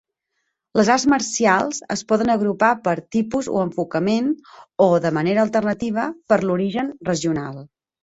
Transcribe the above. Les arts marcials es poden agrupar per tipus o enfocament, o de manera alternativa, per l'origen regional.